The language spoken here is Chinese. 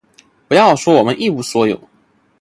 不要说我们一无所有，